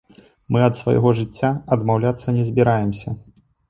Мы ад свайго жыцця адмаўляцца не збіраемся.